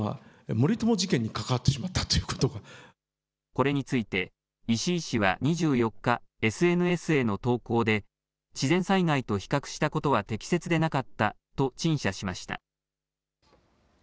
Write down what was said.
これについて石井氏は２４日、ＳＮＳへの投稿で自然災害と比較したことは適切でなかったと陳謝しました。